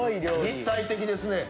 立体的ですね。